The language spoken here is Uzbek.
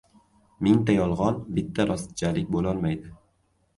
• Mingta yolg‘on bitta rostchalik bo‘lolmaydi.